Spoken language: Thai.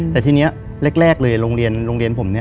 แต่ทีนี้แรกเลยโรงเรียนผม